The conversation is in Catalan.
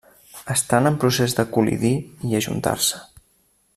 Estan en el procés de col·lidir i ajuntar-se.